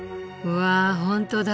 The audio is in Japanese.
わあ本当だ。